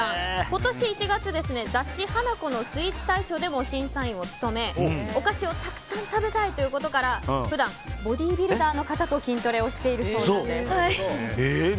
今年１月雑誌「Ｈａｎａｋｏ」のスイーツ大賞でも審査員を務め、お菓子をたくさん食べたいということから普段、ボディービルダーの方と意外！